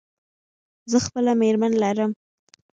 زه خپله مېرمن لرم.